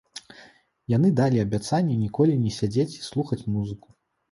Яны далі абяцанне ніколі не сядзець і слухаць музыку.